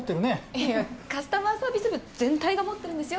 いやカスタマーサービス部全体が持ってるんですよ